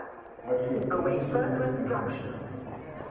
I feel positively uncomfortable.